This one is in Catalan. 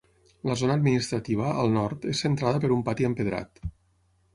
La zona administrativa, al nord, és centrada per un pati empedrat.